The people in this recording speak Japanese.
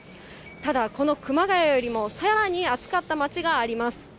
ただ、この熊谷よりもさらに暑かった街があります。